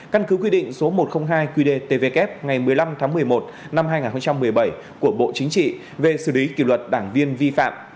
căn cứ quy định số một trăm linh hai qdtvk ngày một mươi năm tháng một mươi một năm hai nghìn một mươi bảy của bộ chính trị về xử lý kỷ luật đảng viên vi phạm